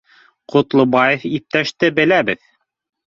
— Ҡотлобаев иптәште беләбеҙ